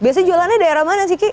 biasanya jualannya daerah mana sih ki